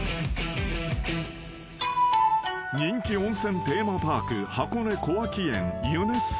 ［人気温泉テーマパーク］